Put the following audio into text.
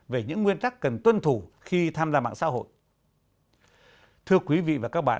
về những nguyên tắc cần tuân thủ khi tham gia mạng xã hội